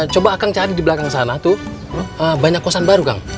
coba akan cari di belakang sana tuh banyak kosan baru kang